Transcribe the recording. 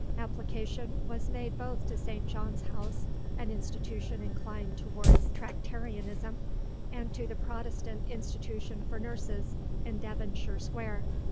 Application was made both to St. John's House, an institution inclined towards Tractarianism, and to the Protestant Institution for Nurses in Devonshire Square.